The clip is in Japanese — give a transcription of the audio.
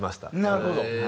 なるほど！